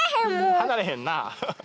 離れへんな。